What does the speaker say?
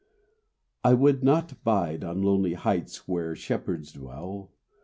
I would not bide On lonely heights where shepherds dwell.